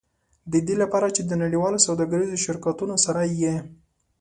د دې لپاره چې د نړیوالو سوداګریزو شرکتونو سره یې.